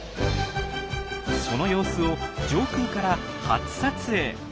その様子を上空から初撮影。